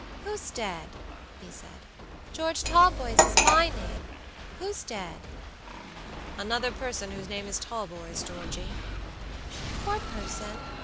"Who's dead?" he said. "George Talboys is my name. Who's dead?" "Another person whose name is Talboys, Georgey." "Poor person!